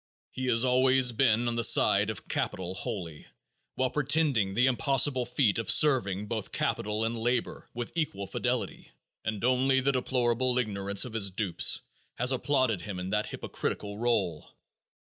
He has always been on the side of capital wholly, while pretending the impossible feat of serving both capital and labor with equal fidelity, and only the deplorable ignorance of his dupes has applauded him in that hypocritical role.